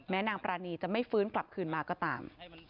นางปรานีจะไม่ฟื้นกลับคืนมาก็ตาม